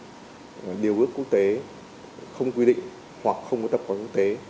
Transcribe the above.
trường hợp điều ước quốc tế không quy định hoặc không có tập quán quốc tế